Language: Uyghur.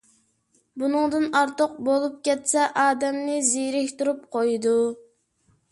بۇنىڭدىن ئارتۇق بولۇپ كەتسە ئادەمنى زېرىكتۈرۈپ قويىدۇ.